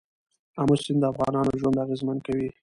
آمو سیند د افغانانو ژوند اغېزمن کوي.